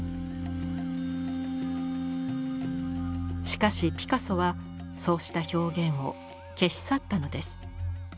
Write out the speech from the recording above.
しかしピカソはそうした表現を消し去ったのです。